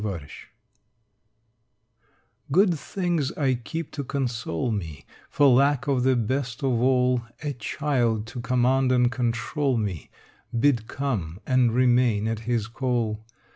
XXIV Good things I keep to console me For lack of the best of all, A child to command and control me, Bid come and remain at his call.